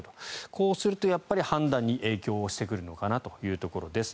こうするとやっぱり判断に影響してくるのかなというところです。